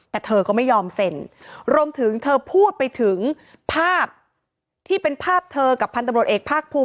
แต่เธอก็ไม่ยอมเซ็นรวมถึงเธอพูดไปถึงภาพที่เป็นภาพเธอกับพันธบรวจเอกภาคภูมิ